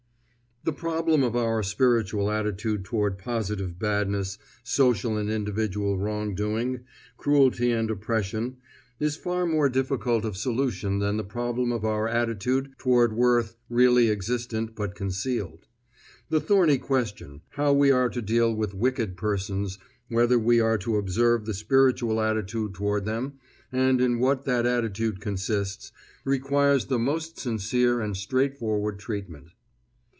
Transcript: The problem of our spiritual attitude toward positive badness, social and individual wrongdoing, cruelty and oppression, is far more difficult of solution than the problem of our attitude toward worth really existent but concealed. The thorny question, how we are to deal with wicked persons, whether we are to observe the spiritual attitude toward them, and in what that attitude consists, requires the most sincere and straightforward treatment.